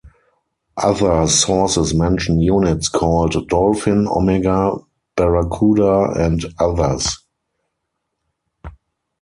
Other sources mention units called "Dolfin", "Omega", "Barrakuda", and others.